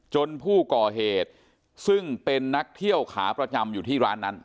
ผู้ก่อเหตุซึ่งเป็นนักเที่ยวขาประจำอยู่ที่ร้านนั้น